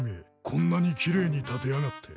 こんなに奇麗に立てやがって。